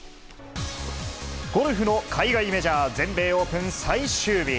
ゴルフの海外メジャー全米オープン最終日。